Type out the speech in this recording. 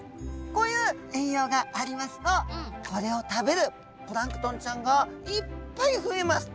こういう栄養がありますとこれを食べるプランクトンちゃんがいっぱい増えます。